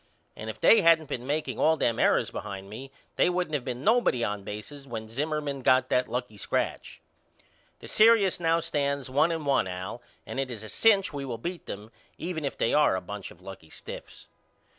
And if they hadn't been makeing all them errors behind me they wouldn't of been nobody on bases when Zimmerman got that lucky scratch. The serious now stands one and one Al and it is a cinch we will beat them even if they are a bunch of lucky stiffs.